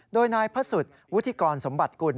โดยนายพระสุทธิ์วุฒิกรสมบัติกุล